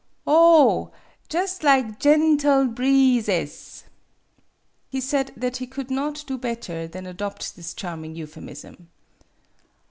<( Ob ! Jus' lig gen tie bree zes." He said that he could not do better than adopt this charming euphemism.